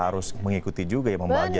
harus mengikuti juga ya membahagia